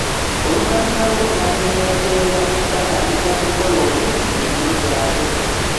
Oluvannyuma lw'okumanyiira embeera batandika okukola obubi emirimu gyabwe.